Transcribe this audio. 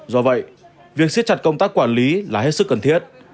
do vậy việc siết chặt công tác quản lý là hết sức cần thiết